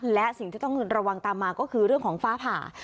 และสิ่งที่ต้องระวังตามมาก็คือเรื่องของฟ้าผ่า